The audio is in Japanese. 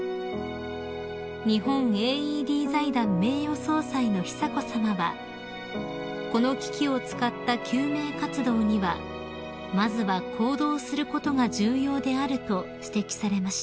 ［日本ＡＥＤ財団名誉総裁の久子さまはこの機器を使った救命活動にはまずは行動することが重要であると指摘されました］